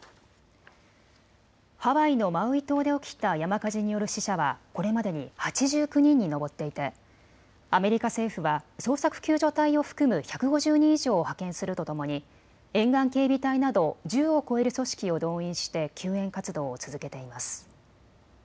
ハワイのマウイ島で起きた山火事による死者はこれまでに８９人に上っていてアメリカ政府は捜索救助隊を含む１５０人以上を派遣するとともに沿岸警備隊など１０を超える組織を動員して救援活動を続けています。